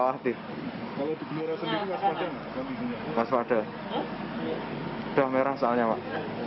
udah merah soalnya pak